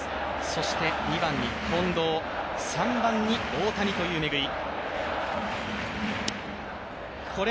そして２番に近藤３番に大谷という巡り。